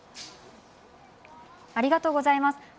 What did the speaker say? ありがとうございます。